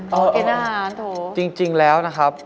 เขามีเกณฑาหารถูกนะครับอ๋อจริงแล้วนะครับ